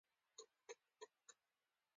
اس یو ډیر چابک حیوان دی